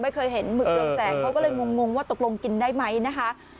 ไม่เคยเห็นหมึกเรืองแสงเขาก็เลยงงว่าตกลงกินได้ไหมนะคะ